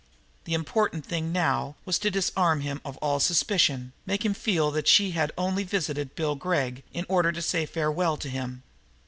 The important thing now was to disarm him of all suspicion, make him feel that she had only visited Bill Gregg in order to say farewell to him.